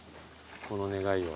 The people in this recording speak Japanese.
この願いを。